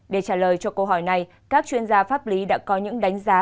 để trả lời cho câu hỏi này các chuyên gia pháp lý đã có những đánh giá